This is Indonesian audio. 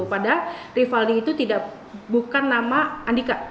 padahal rivaldi itu bukan nama andika